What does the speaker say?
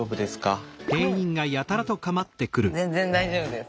全然大丈夫です。